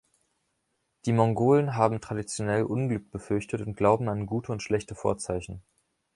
Die Mongolen haben traditionell Unglück befürchtet und glauben an gute und schlechte Vorzeichen.